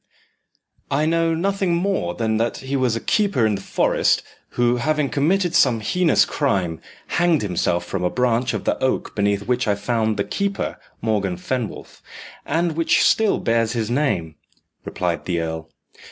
"I know nothing more than that he was a keeper in the forest, who, having committed some heinous crime, hanged himself from a branch of the oak beneath which I found the keeper, Morgan Fenwolf, and which still bears his name," replied the earl.